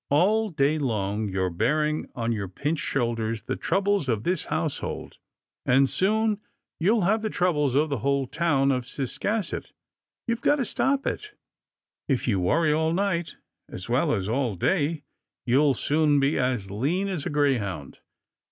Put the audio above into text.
" All day long you're bearing on your pinched shoulders the troubles of this household, and soon you'll have the troubles of the whole town of Cis casset. You've got to stop it. If you worry all night, as well as all day, you'll soon be as lean as a greyhound.